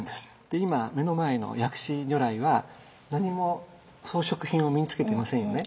今目の前の薬師如来は何も装飾品を身につけていませんよね。